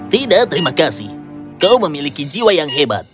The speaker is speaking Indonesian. tidak terima kasih kau memiliki jiwa yang hebat